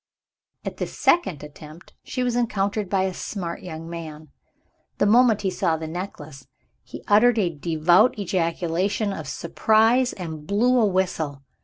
At this second attempt, she was encountered by a smart young man. The moment he saw the necklace, he uttered a devout ejaculation of surprise and blew a whistle.